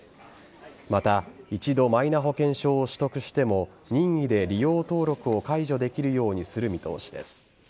また、一度マイナ保険証を取得しても任意で利用登録を解除できるようにする見通しです。